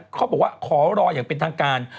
เขาบอกว่าขอรออย่างเป็นทางการ